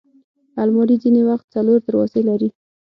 الماري ځینې وخت څلور دروازې لري